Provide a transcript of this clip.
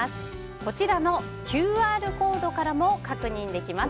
こちらのＱＲコードからも確認できます。